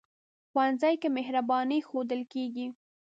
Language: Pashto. ښوونځی کې مهرباني ښودل کېږي